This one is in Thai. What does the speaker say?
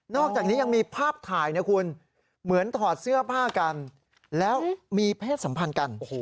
อกจากนี้ยังมีภาพถ่ายนะคุณเหมือนถอดเสื้อผ้ากันแล้วมีเพศสัมพันธ์กัน